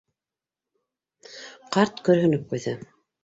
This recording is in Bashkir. Ҡарт көрһөнөп ҡуйҙы.